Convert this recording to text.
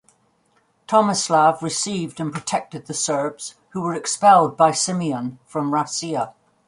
Tomislav received and protected the Serbs who were expelled by Simeon from Rascia.